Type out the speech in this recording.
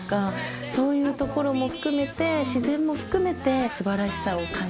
そういうところも含めて自然も含めてすばらしさを感じたなと思いました。